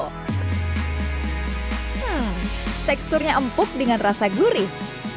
hmm teksturnya empuk dengan rasa gurih